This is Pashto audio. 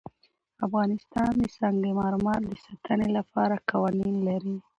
افغانستان د سنگ مرمر د ساتنې لپاره قوانین لري.